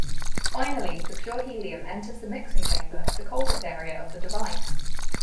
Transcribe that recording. Finally, the pure He enters the mixing chamber, the coldest area of the device.